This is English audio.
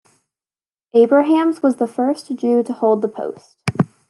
Abrahams was the first Jew to hold the post.